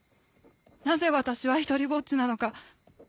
なぜ私は独りぼっちなのか